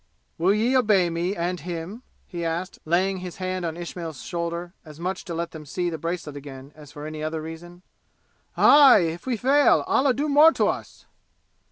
"Will ye obey me, and him?" he asked, laying his hand on Ismail's shoulder, as much to let them see the bracelet again as for any other reason. "Aye! If we fail, Allah do more to us!"